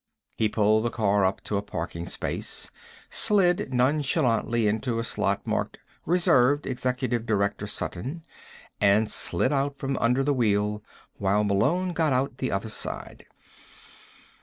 He pulled the car up to a parking space, slid nonchalantly into a slot marked Reserved Executive Director Sutton, and slid out from under the wheel while Malone got out the other side.